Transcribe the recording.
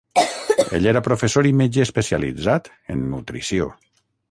Ell era professor i metge especialitzat en nutrició.